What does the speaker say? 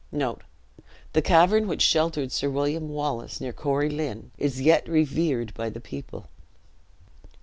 The cavern which sheltered Sir William Wallace, near Corie Lynn, is yet revered by the people.